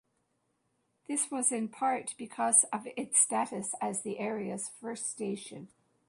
This was in part because of its status as the area's first station.